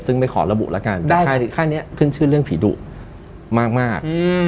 ซึ่งไม่ขอระบุแล้วกันแต่ค่านี้ขึ้นชื่อเรื่องผีดุมาก